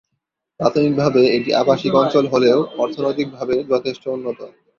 প্রাথমিকভাবে এটি আবাসিক অঞ্চল হলেও অর্থনৈতিকভাবে যথেষ্ট উন্নত।